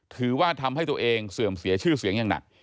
ถือว่าทำให้ตัวเองเสื่อมเสียชื่อเสียงอย่างหนัก